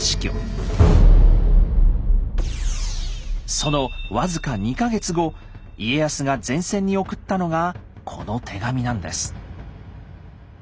その僅か２か月後家康が前線に送ったのがこの手紙なんです。